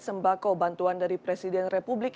sembako bantuan dari presiden republik